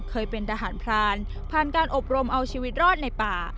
เคยเป็นทหารพรานผ่านการอบรมเอาชีวิตรอดในป่า